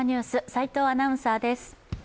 齋藤アナウンサーです。